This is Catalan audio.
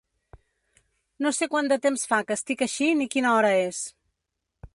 No sé quant de temps fa que estic així ni quina hora és.